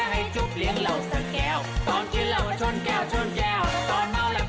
สุขเมาซ้อมนอนอธิบทรจะลา